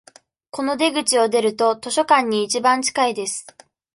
この出口を出ると、図書館に一番近いです。